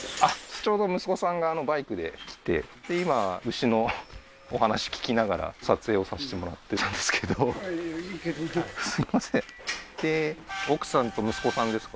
ちょうど息子さんがバイクで来てで今牛のお話聞きながら撮影をさしてもらってたんですけどすいませんで奥さんと息子さんですか？